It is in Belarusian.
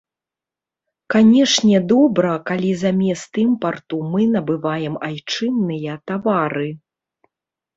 Канешне, добра, калі замест імпарту мы набываем айчынныя тавары.